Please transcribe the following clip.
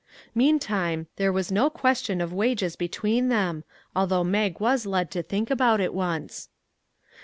Mean time, there was no question of wages between them, although Mag was led to think about it once.